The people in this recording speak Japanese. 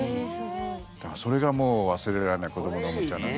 だから、それがもう忘れられない子どものおもちゃ。